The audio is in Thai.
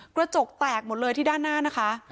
กระจกแตกหมดเลยที่ด้านหน้านะคะ